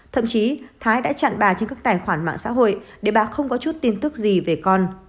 thậm chí thái đã chặn bà trên các tài khoản mạng xã hội để bà không có chút tin tức gì về con